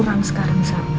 kurang sekarang sa